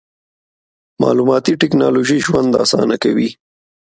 مالوماتي ټکنالوژي ژوند اسانه کوي.